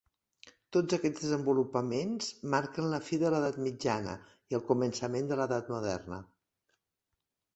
Tots aquests desenvolupaments marquen la fi de l'edat mitjana i el començament de l'edat moderna.